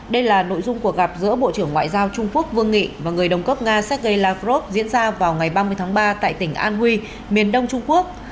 đây là nội dung cuộc gặp giữa bộ trưởng ngoại giao trung quốc vương nghị và người đồng cấp nga sergei lavrov diễn ra vào ngày ba mươi tháng ba tại tỉnh an huy miền đông trung quốc